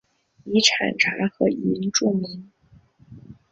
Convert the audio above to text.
以产茶和银著名。